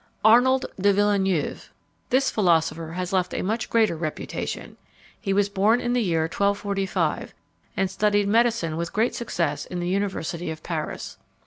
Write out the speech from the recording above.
ARNOLD DE VILLENEUVE. This philosopher has left a much greater reputation. He was born in the year 1245, and studied medicine with great success in the university of Paris.